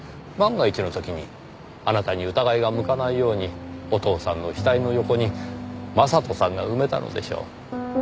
万が一の時にあなたに疑いが向かないようにお父さんの死体の横に将人さんが埋めたのでしょう。